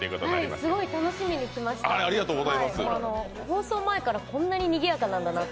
すごい楽しみに来ました、放送前からこんなにぎやかなんだなと。